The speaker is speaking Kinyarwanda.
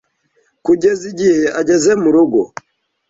Kugeza igihe ageze mu rugo